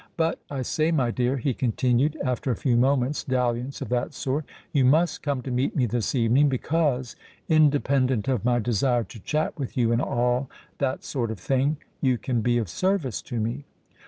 "But, I say, my dear," he continued, after a few moments' dalliance of that sort, "you must come to meet me this evening; because, independent of my desire to chat with you and all that sort of thing, you can be of service to me."